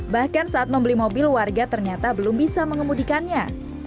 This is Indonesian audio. bahkan saat membeli mobil warga ternyata belum bisa mengemudikannya